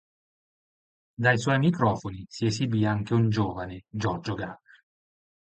Dai suoi microfoni si esibì anche un giovane Giorgio Gaber.